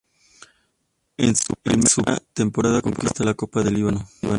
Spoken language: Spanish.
En su primera temporada conquista la Copa de Líbano.